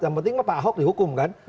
yang penting pak ahok dihukum kan